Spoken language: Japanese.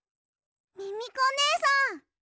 ミミコねえさん！